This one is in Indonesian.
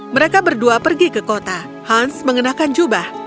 mereka berdua pergi ke kota hans mengenakan jubah